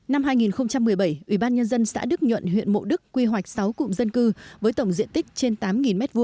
năm hai nghìn một mươi bảy ủy ban nhân dân xã đức nhuận huyện mộ đức quy hoạch sáu cụm dân cư với tổng diện tích trên tám m hai